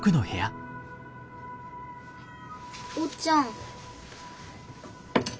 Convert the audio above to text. おっちゃん。